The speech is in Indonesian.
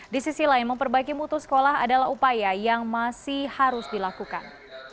di sisi lain memperbaiki mutu sekolah adalah upaya yang masih harus dilakukan